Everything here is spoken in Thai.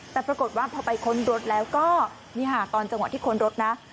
แต่ปรากฏว่าพอไปค้นรถแล้วก็นี่ค่ะตอนจังหวะที่ค้นรถนะ